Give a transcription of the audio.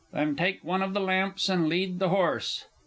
Then take one of the lamps, and lead the horse.